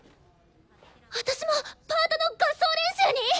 私もパートの合奏練習に！？